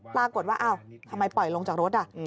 ปรากฏว่าอ้าวทำไมปล่อยลงจากรถ